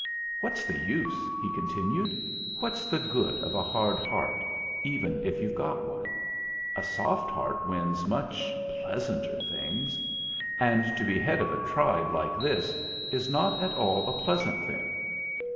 "What's the use?" he continued. "What's the good of a hard heart, even if you've got one? A soft heart wins much pleasanter things ; and to be head of a tribe like this is not at all a pleasant thing.